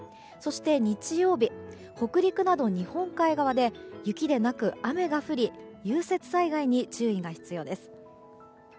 そして、日曜日北陸など日本海側で雪でなく雨が降り融雪災害に注意が必要です。